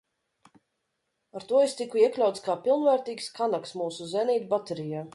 Ar to es tiku iekļauts kā pilnvērtīgs kanaks mūsu zenītbaterijā.